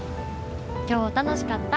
今日楽しかった。